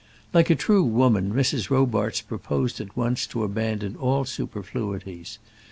Like a true woman, Mrs. Robarts proposed at once to abandon all superfluities.